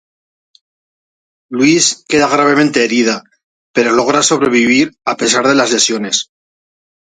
Lewis queda gravemente herida, pero logra sobrevivir a pesar de las lesiones.